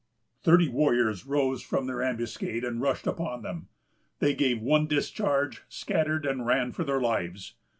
Thirty warriors rose from their ambuscade, and rushed upon them. They gave one discharge, scattered, and ran for their lives.